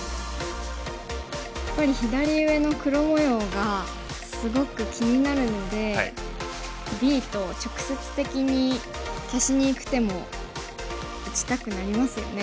やっぱり左上の黒模様がすごく気になるのでＢと直接的に消しにいく手も打ちたくなりますよね。